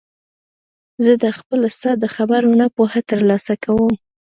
زه د خپل استاد د خبرو نه پوهه تر لاسه کوم.